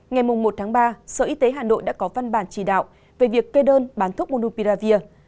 ngày một ba sở y tế hà nội đã có văn bản chỉ đạo về việc kê đơn bán thuốc monupiravir